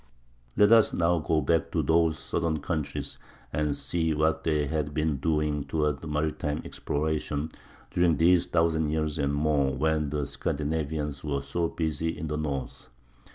Let us now go back to those southern countries and see what they had been doing toward maritime exploration during these thousand years and more when the Scandinavians were so busy in the north.